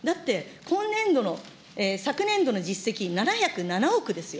だって今年度の、昨年度の実績、７０７億ですよ。